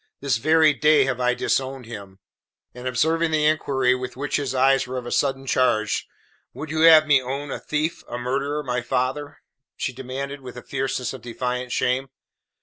"This very day have I disowned him." And observing the inquiry with which his eyes were of a sudden charged: "Would you have me own a thief, a murderer, my father?" she demanded, with a fierceness of defiant shame.